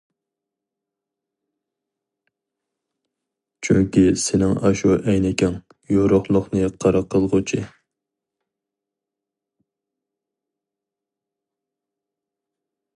چۈنكى سېنىڭ ئاشۇ ئەينىكىڭ، يورۇقلۇقنى قارا قىلغۇچى.